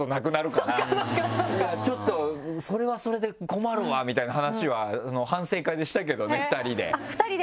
ちょっとそれはそれで困るわみたいな話は反省会でしたけどね２人で。